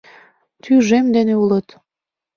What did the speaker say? Тӱжем дене улыт.